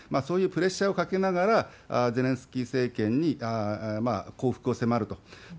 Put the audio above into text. そういうプレッシャーをかけながら、ゼレンスキー政権に降伏を迫ると。